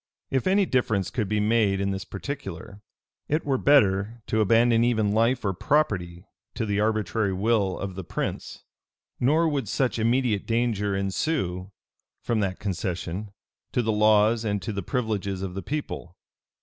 If any difference could be made in this particular, it were better to abandon even life or property to the arbitrary will of the prince; nor would such immediate danger ensue, from that concession, to the laws and to the privileges of the people.